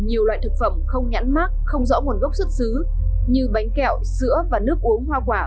nhiều loại thực phẩm không nhãn mát không rõ nguồn gốc xuất xứ như bánh kẹo sữa và nước uống hoa quả